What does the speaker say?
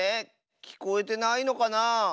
きこえてないのかな？